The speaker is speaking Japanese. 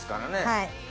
はい。